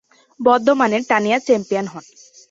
বর্ধমানের তানিয়া চ্যাম্পিয়ন হন।